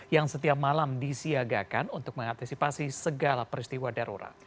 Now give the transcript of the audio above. yang setiap malam disiagakan untuk mengantisipasi segala peristiwa darurat